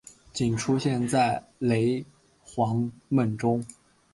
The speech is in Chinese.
仅出现在雷凰梦中。